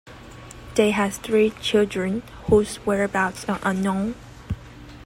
They had three children, whose whereabouts are unknown.